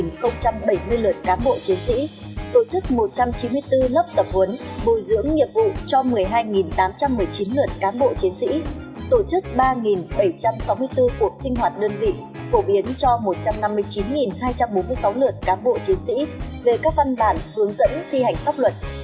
hơn một bảy mươi lượt cán bộ chiến sĩ tổ chức một trăm chín mươi bốn lớp tập huấn bồi dưỡng nghiệp vụ cho một mươi hai tám trăm một mươi chín lượt cán bộ chiến sĩ tổ chức ba bảy trăm sáu mươi bốn cuộc sinh hoạt đơn vị phổ biến cho một trăm năm mươi chín hai trăm bốn mươi sáu lượt cán bộ chiến sĩ về các văn bản hướng dẫn thi hành pháp luật